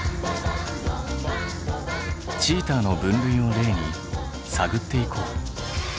チーターの分類を例に探っていこう。